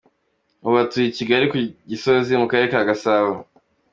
Ubu atuye i Kigali ku Gisozi mu Karere ka Gasabo.